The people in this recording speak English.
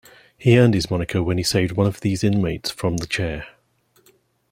He earned his moniker when he saved one of these inmates from the chair.